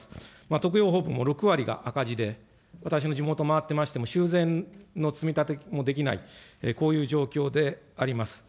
特養ホームも６割が赤字で、私の地元、回ってましても、修繕の積み立てもできない、こういう状況であります。